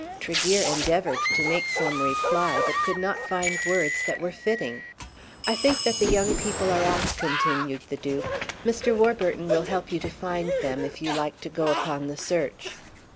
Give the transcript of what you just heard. Tregear endeavoured to make some reply, but could not find words that were fitting. "I think that the young people are out," continued the Duke. "Mr. Warburton will help you to find them if you like to go upon the search."